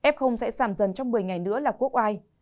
f sẽ giảm dần trong một mươi ngày nữa là quốc ai